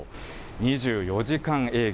２４時間営業。